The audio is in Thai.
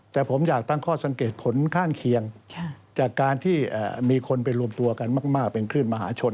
แต่ผมอยากตั้งข้อสังเกตผลข้างเคียงจากการที่มีคนไปรวมตัวกันมากเป็นคลื่นมหาชน